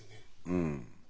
うん。